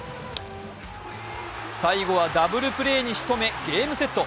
最後はダブルプレーにしとめゲームセット。